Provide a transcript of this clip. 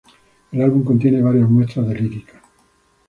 El álbum contiene varias muestras de lírica.